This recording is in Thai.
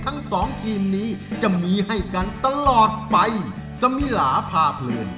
ทั้งสองทีมนี้จะมีให้กันตลอดไปสมิลาพาเพลิน